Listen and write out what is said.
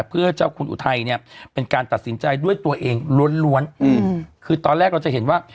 เพื่อเจ้าคุณอุทัยเนี่ยเป็นการตัดสินใจด้วยตัวเองล้วนคือตอนแรกเราจะเห็นว่า